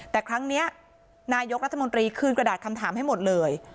แต่ครั้งนี้นายกรัฐมนตรีคืนกระดาษคำถามให้หมดเลย